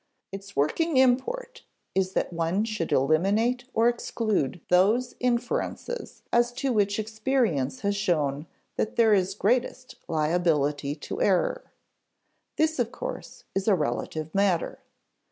Its working import is that one should eliminate or exclude those inferences as to which experience has shown that there is greatest liability to error. This, of course, is a relative matter.